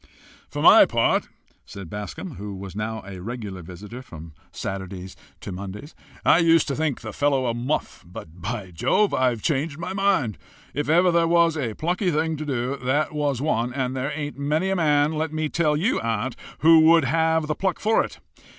"For my part," said Bascombe, who was now a regular visitor from Saturdays to Mondays, "I used to think the fellow a muff, but, by Jove! I've changed my mind. If ever there was a plucky thing to do, that was one, and there ain't many men, let me tell you, aunt, who would have the pluck for it.